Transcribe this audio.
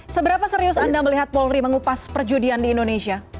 seberapa serius anda melihat polri mengupas perjudian di indonesia